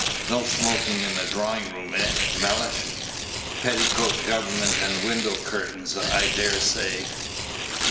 No smoking in the drawing room, eh, Mellish? Petticoat government and window curtains, I dare say.